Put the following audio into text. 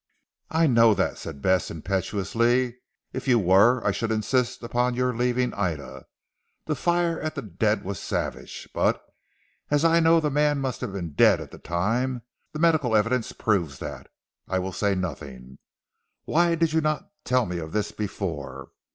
"I know that," said Bess impetuously, "If you were I should insist upon your leaving Ida. To fire at the dead was savage, but, as I know the man must have been dead at the time the medical evidence proves that, I will say nothing. Why did you not tell me of this before?"